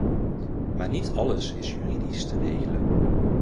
Maar niet alles is juridisch te regelen.